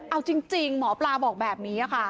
เอาจริงหมอปลาบอกแบบนี้ค่ะ